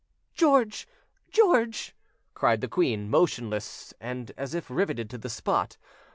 "George! George!" cried the queen, motionless, and as if riveted to the spot.